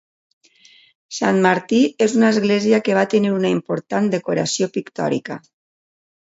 Sant Martí és una església que va tenir una important decoració pictòrica.